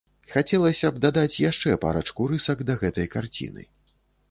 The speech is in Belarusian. Хацелася б дадаць яшчэ парачку рысак да гэтай карціны.